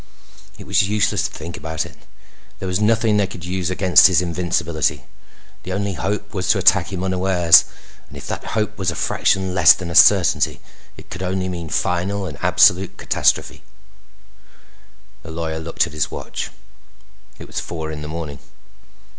It was useless to think about it. There was nothing they could use against his invincibility. The only hope was to attack him unawares ... and if that hope was a fraction less than a certainty it could only mean final and absolute catastrophe. The lawyer looked at his watch. It was four in the morning.